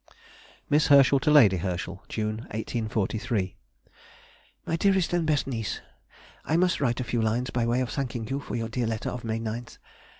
MISS HERSCHEL TO LADY HERSCHEL. June, 1843. MY DEAREST AND BEST NIECE,— I must write a few lines by way of thanking you for your dear letter of May 9th.